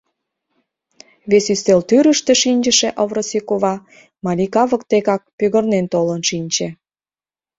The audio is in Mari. Вес ӱстел тӱрыштӧ шинчыше Овроси кува Малика воктекак пӱгырнен толын шинче.